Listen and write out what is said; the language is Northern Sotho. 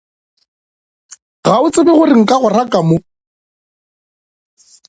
Ga o tsebe gore nka go raka mo?